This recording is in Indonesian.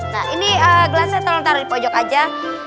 nah ini gelasnya tolong taruh di pojok aja